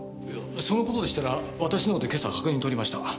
その事でしたら私のほうで今朝確認とりました。